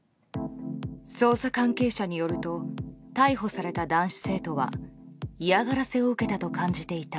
捜査関係者によると逮捕された男子生徒は嫌がらせを受けたと感じていた。